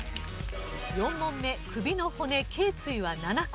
４問目首の骨頸椎は７個。